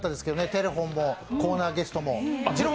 テレフォンもコーナーゲストも。